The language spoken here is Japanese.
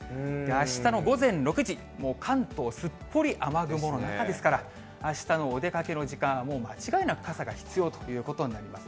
あしたの午前６時、関東すっぽり雨雲の中ですから、あしたのお出かけの時間はもう間違いなく傘が必要ということになります。